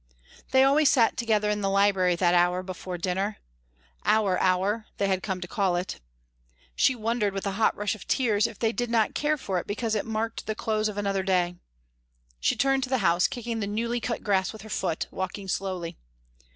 They always sat together in the library that hour before dinner "our hour" they had come to call it. She wondered, with a hot rush of tears, if they did not care for it because it marked the close of another day. She turned to the house, kicking the newly cut grass with her foot, walking slowly.